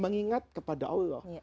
mengingat kepada allah